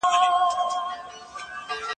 په ژوندون اعتبار نسته یو تر بل سره جارېږی